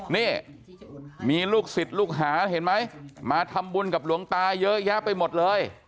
นี่มีลูกศิษย์ลูกหาเห็นไหมมาทำบุญกับหลวงตาเยอะแยะไปหมดเลย